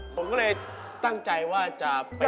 ผมก็เลยตั้งใจว่าจะไป